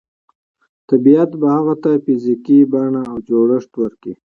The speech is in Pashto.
طبیعت به هغې ته فزیکي بڼه او جوړښت ورکړي